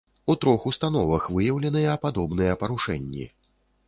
У трох установах выяўленыя падобныя парушэнні.